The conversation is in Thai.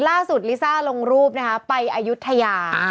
ล่าสุดลิซ่าลงรูปนะครับไปอายุทยา